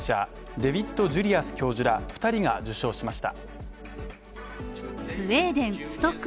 デヴィッド・ジュリアス教授ら２人が受賞しました。